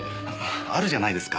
あるじゃないですか。